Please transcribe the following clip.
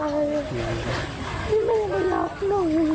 ให้แม่รับหนู